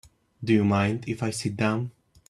Do you mind if I sit down?